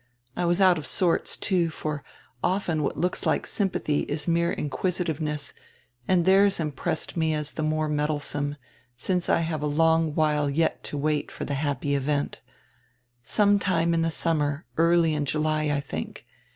I was out of sorts, too, for often what looks like sympathy is mere inquisitiveness, and dieirs impressed me as die more meddlesome, since I have a long while yet to wait for the happy event. Some time in die summer, early in July, I think.